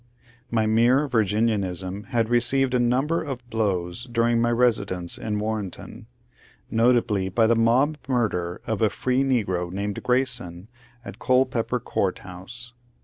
My mere Virginianism had received a number of blows during my residence in Warrenton, — notably by the mob murder of a free negro named Grayson, at Culpeper Court House.